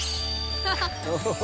ハハハハ。